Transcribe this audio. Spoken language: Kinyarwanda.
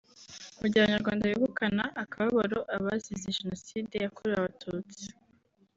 Mu gihe Abanyarwanda bibukana akababaro abazize Jenoside yakorewe Abatutsi